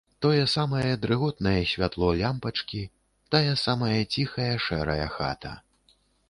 Тое самае дрыготнае святло лямпачкі, тая самая ціхая шэрая хата.